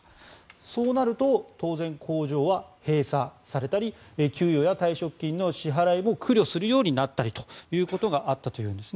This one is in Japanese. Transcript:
そうなると当然工場は閉鎖されたり給与や退職金の支払いに苦労することになるということがあったそうです。